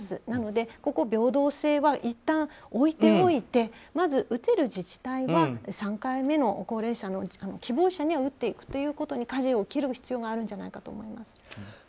なので、ここは平等性はいったん置いておいてまず打てる自治体は３回目の高齢者の希望者には打っていくということにかじを切る必要があるんじゃないかと思います。